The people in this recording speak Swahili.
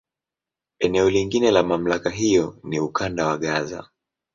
Eneo lingine la MamlakA hiyo ni Ukanda wa Gaza.